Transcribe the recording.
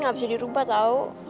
gak bisa dirubah tau